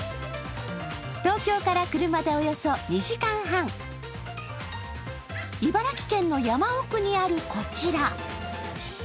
東京から車でおよそ２時間半、茨城県の山奥にあるこちら。